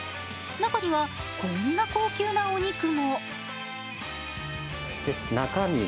中にはこんな高級なお肉も。